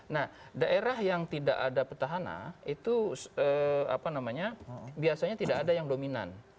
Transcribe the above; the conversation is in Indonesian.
nah daerah yang tidak ada petahana itu biasanya tidak ada yang dominan